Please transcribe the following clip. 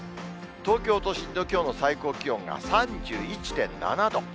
東京都心のきょうの最高気温が３１．７度。